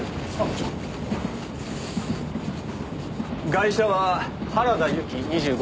ガイシャは原田由紀２５歳。